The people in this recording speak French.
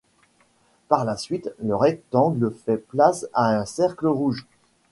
Par la suite, le rectangle fait place à un cercle rouge.